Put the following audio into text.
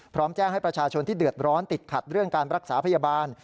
พร้อมแจ้งให้ประชาชนที่เดือดร้อนติดขัดเรื่องการรักษาพยาบาล